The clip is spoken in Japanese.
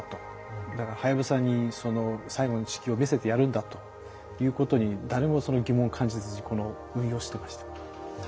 だからはやぶさに最後に地球を見せてやるんだいうことに誰も疑問を感じずにこの運用をしてました。